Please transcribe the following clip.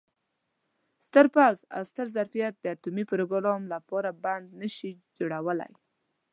ستر پوځ او ستر ظرفیت د اټومي پروګرام لپاره بند نه شي جوړولای.